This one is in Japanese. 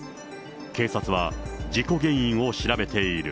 警察は事故原因を調べている。